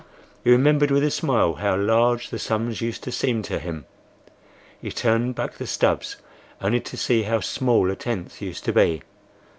He remembered, with a smile, how large the sums used to seem to him. He turned back the stubs only to see how small a tenth used to be.